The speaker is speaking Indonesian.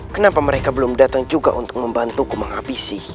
kenapa mereka belum datang juga untuk membantuku menghabisi